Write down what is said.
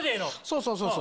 そう、そう、そう。